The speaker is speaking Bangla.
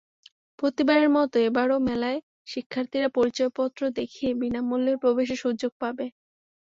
প্রতিবারের মতো এবারও মেলায় শিক্ষার্থীরা পরিচয়পত্র দেখিয়ে বিনা মূল্যে প্রবেশের সুযোগ পাবে।